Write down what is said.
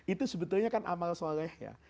itu sebetulnya kan amal soleh ya